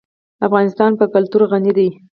افغانستان په کلتور غني دی.